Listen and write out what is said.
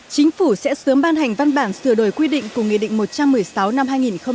chính phủ sẽ sớm ban hành văn bản sửa đổi quy định của nghị định một trăm một mươi sáu năm hai nghìn một mươi chín